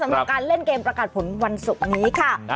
สำหรับการเล่นเกมประกาศผลวันศุกร์นี้ค่ะ